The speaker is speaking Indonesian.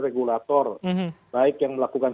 regulator baik yang melakukan